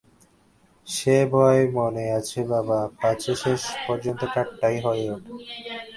সে ভয় মনে আছে বাবা, পাছে শেষ পর্যন্ত ঠাট্টাই হয়ে ওঠে।